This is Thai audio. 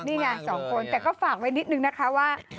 นี่ไงสองคนแต่ก็ฝากไว้นิดนึงนะคะว่า